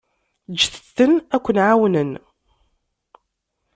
Ǧǧet-ten aken-ɛawnen.